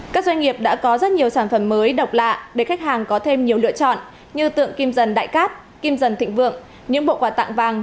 các doanh nghiệp đã có rất nhiều sản phẩm mới độc lạ để khách hàng có thêm nhiều lựa chọn như tượng kim dần đại cát kim dần thịnh vượng những bộ quà tặng vàng